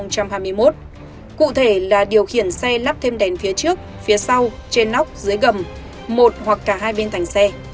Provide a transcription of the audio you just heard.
cụ thể là điều khiển xe lắp thêm đèn phía trước phía sau trên nóc dưới gầm một hoặc cả hai bên thành xe